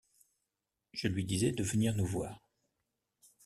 Je lui disais de venir nous voir.